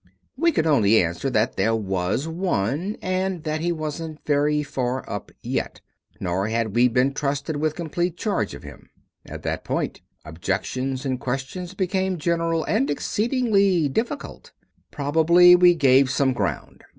We could only answer that there was one, and that he wasn't very far up yet, nor had we been trusted with complete charge of him. At that point objections and questions became general and exceedingly difficult. Probably we gave some ground.